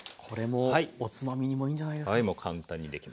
これもおつまみにもいいんじゃないですか？